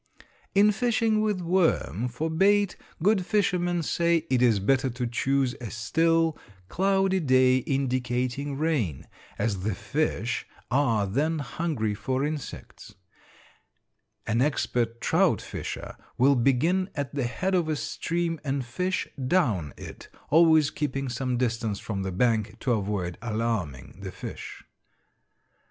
In fishing with worm for bait, good fishermen say, it is better to choose a still, cloudy day indicating rain, as the fish are then hungry for insects. An expert trout fisher will begin at the head of a stream and fish down it, always keeping some distance from the bank to avoid alarming the fish.